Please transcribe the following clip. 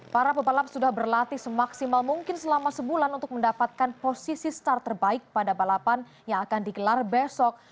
para pebalap sudah berlatih semaksimal mungkin selama sebulan untuk mendapatkan posisi start terbaik pada balapan yang akan digelar besok